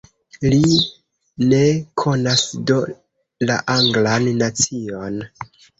Li ne konas do la Anglan nacion.